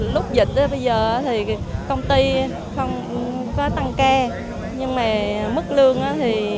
lúc dịch bây giờ thì công ty không có tăng ca nhưng mà mức lương thì